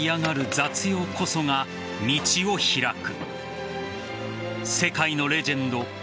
雑用こそが道を開く。